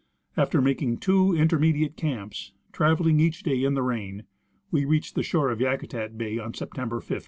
After making, two in termediate camps, traveling each day in the rain, we reached the shore of Yakutat bay on September 15.